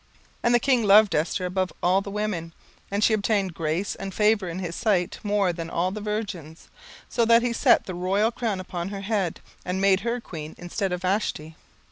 17:002:017 And the king loved Esther above all the women, and she obtained grace and favour in his sight more than all the virgins; so that he set the royal crown upon her head, and made her queen instead of Vashti.